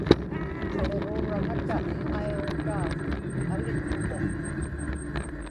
qaliġuuraŋata aiġutaa aliktuq